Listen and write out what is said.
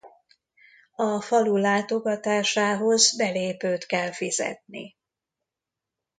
A falu látogatásához belépőt kell fizetni.